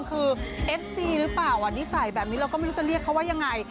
คือเอฟซีหรือเปล่านิสัยแบบนี้เราก็ไม่รู้จะเรียกเขาว่ายังไง